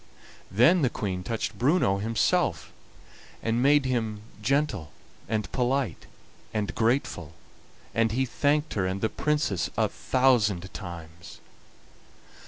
Then the Queen touched Bruno himself, and made him gentle and polite and grateful, and he thanked her and the Princess a thousand times.